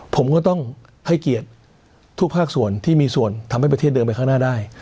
ผมก็ต้องให้เกียรติทุกภาคส่วนที่มีส่วนทำให้ประเทศเดินไปข้างหน้าได้